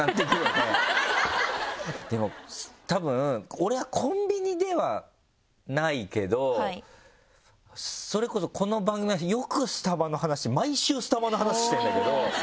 でもたぶん俺はコンビニではないけどそれこそこの番組よくスタバの話毎週スタバの話してるんだけど。